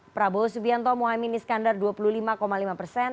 prabowo subianto muhamim niskandar dua puluh lima lima persen